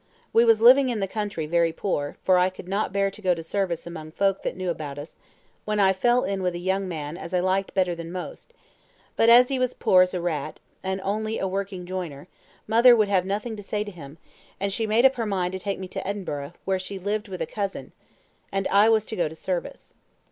We was living in the country very poor, for I could not bear to go to service among folk that knew about us, when I fell in with a young man as I liked better than most; but as he was as poor as a rat, and only a working joiner, mother would have nothing to say to him, and she made up her mind to take me to Edinburgh, where she lived with a cousin, and I was to go to service.